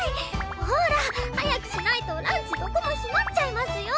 ほら早くしないとランチどこも閉まっちゃいますよ！